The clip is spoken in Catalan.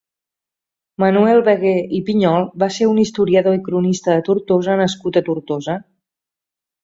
Manuel Beguer i Pinyol va ser un historiador i cronista de Tortosa nascut a Tortosa.